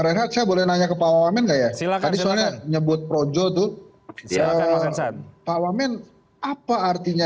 dan saya rasa ini adalah perhubungan yang sangat penting